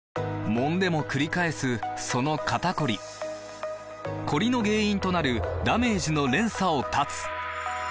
もんでもくり返すその肩こりコリの原因となるダメージの連鎖を断つ！